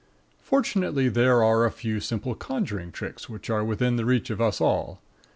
Fortunately there are a few simple conjuring tricks which are within the reach of us all.